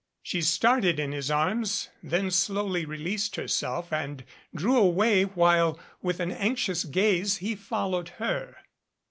She started in his arms, then slowly released herself, and drew away while with an anxious gaze he followed her.